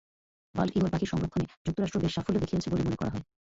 Bald eagle পাখির সংরক্ষণে যুক্তরাষ্ট্র বেশ সাফল্য দেখিয়েছে বলে মনে করা হয়।